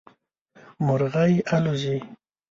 مرغی الوزي